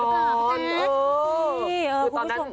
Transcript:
เออพูดผู้ชมค่ะ